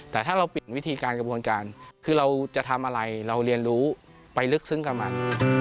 แต่ถ้าเราเปลี่ยนวิธีการกระบวนการคือเราจะทำอะไรเราเรียนรู้ไปลึกซึ้งกับมัน